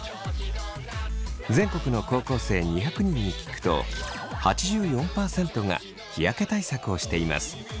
全国の高校生２００人に聞くと８４％が日焼け対策をしています。